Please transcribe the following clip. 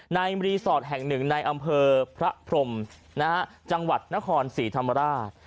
รีสอร์ทแห่งหนึ่งในอำเภอพระพรมจังหวัดนครศรีธรรมราช